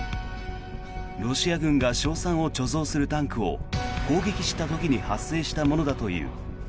ロシア軍が硝酸を貯蔵するタンクを攻撃した時に発生したものだという。